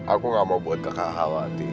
aku gak mau buat kakak khawatir